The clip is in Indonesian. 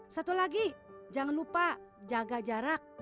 satu lagi jangan lupa jaga jarak